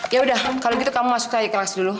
ya udah kalau gitu kamu masuk ke kelas dulu